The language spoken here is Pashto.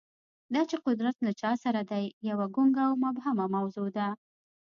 دا چې قدرت له چا سره دی، یوه ګونګه او مبهمه موضوع ده.